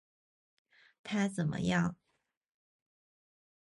他怎么样？